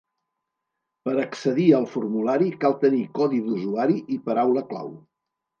Per accedir al formulari cal tenir codi d'usuari i paraula clau.